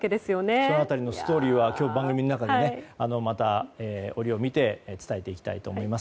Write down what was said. その辺りのストーリーは番組の中でまた、折を見て伝えていきます。